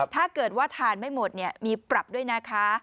ถ้าเกิดว่าทานไม่หมดมีปรับด้วยนะคะ